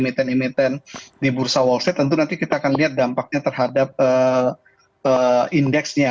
emiten emiten di bursa wall street tentu nanti kita akan lihat dampaknya terhadap indeksnya